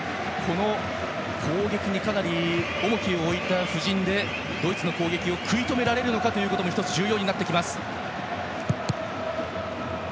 攻撃にかなり重きを置いた布陣でドイツの攻撃を食い止められるかも１つ重要になってきます。